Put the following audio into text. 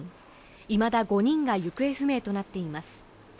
いまだ５人が行方不明となっています。